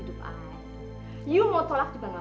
dan anda tolaknya karena apa